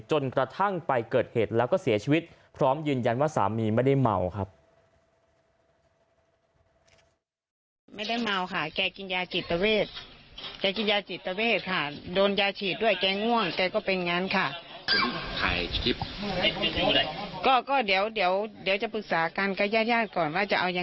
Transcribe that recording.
จนกระทั่งไปเกิดเหตุแล้วก็เสียชีวิตพร้อมยืนยันว่าสามีไม่ได้เมาครับ